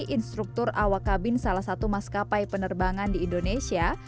instruktur awak kabin salah satu maskapai penerbangan di indonesia